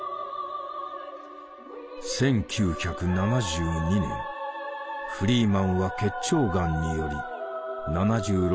１９７２年フリーマンは結腸がんにより７６歳で生涯を閉じた。